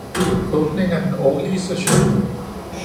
Åbning af den årlige session